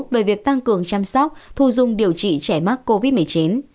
về việc tăng cường chăm sóc thu dung điều trị trẻ mắc covid một mươi chín